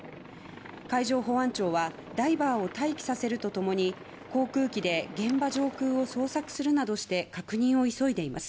海上保安庁はダイバーを待機させると共に航空機で現場上空を捜索するなどして確認を急いでいます。